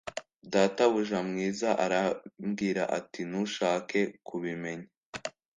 Databuja mwiza arambwira ati Ntushaka kubimenya